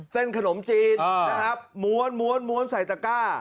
เส้นขนมจีนอ่านะครับม้วนม้วนม้วนใส่ตะกร้า